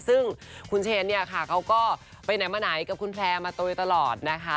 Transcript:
ซึ่งคุณเชนเนี่ยค่ะเขาก็ไปไหนมาไหนกับคุณแพร่มาโดยตลอดนะคะ